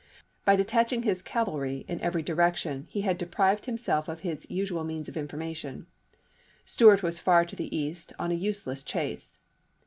By detaching his cav GETTYSBUKG 233 airy in every direction lie had deprived himself of chap. ix. his usual means of information. Stuart was far to the east on a useless chase.